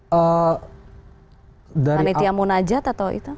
panitia munajat atau itu